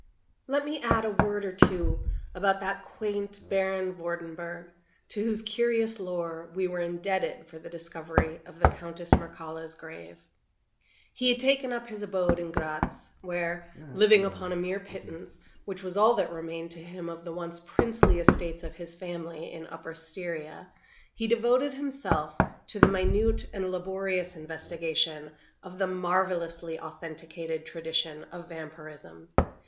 Let me add a word or two about that quaint Baron Vordenburg, to whose curious lore we were indebted for the discovery of the Countess Mircalla's grave. He had taken up his abode in Gratz, where, living upon a mere pittance, which was all that remained to him of the once princely estates of his family, in Upper Styria, he devoted himself to the minute and laborious investigation of the marvelously authenticated tradition of Vampirism.